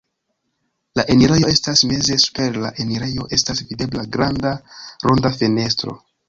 La enirejo estas meze, super la enirejo estas videbla granda ronda fenestro.